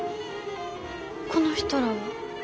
この人らは？